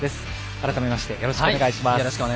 改めましてよろしくお願いします。